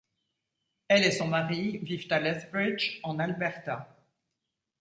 Elle et son mari vivent à Lethbridge, en Alberta.